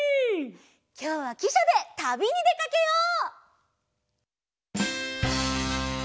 きょうはきしゃでたびにでかけよう！